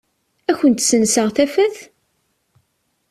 Ad kent-senseɣ tafat?